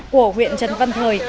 của huyện trần văn thời